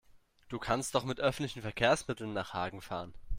Du kannst doch mit öffentlichen Verkehrsmitteln nach Hagen fahren